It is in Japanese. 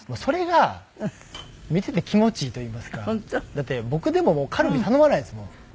だって僕でももうカルビ頼まないですもん。